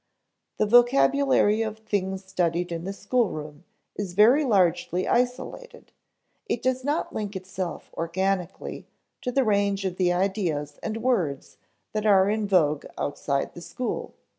The vocabulary of things studied in the schoolroom is very largely isolated; it does not link itself organically to the range of the ideas and words that are in vogue outside the school.